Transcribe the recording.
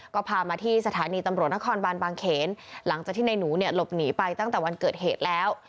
ก็พามาที่สถานีตำรวจนครบานบางเขนหลังจากที่ในหนูเนี่ยหลบหนีไปตั้งแต่วันเกิดเหตุแล้ว